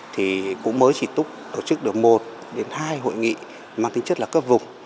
thì cũng mới chỉ túc tổ chức được một đến hai hội nghị mang tính chất là cấp vùng